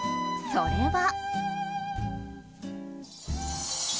それは。